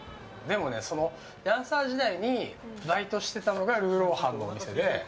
ダンサー時代にバイトしていたのがルーローハンのお店で。